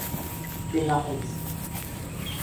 Penápolis